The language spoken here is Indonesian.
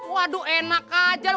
waduh enak aja lu